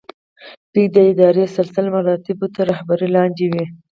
دوی د اداري سلسله مراتبو تر رهبرۍ لاندې وي.